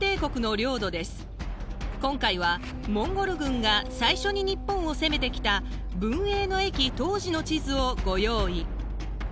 今回はモンゴル軍が最初に日本を攻めてきた文永の役当時の地図をご用意。